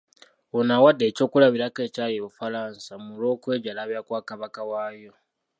Ono awadde ekyokulabirako ekyali e Bufalansa mu olw’okwejalabya kwa Kabaka waayo.